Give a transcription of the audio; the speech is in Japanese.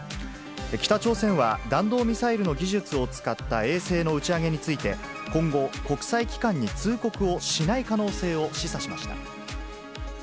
北朝鮮は、弾道ミサイルの技術を使った衛星の打ち上げについて、今後、国際機関に通告をしない可能性を示唆しました。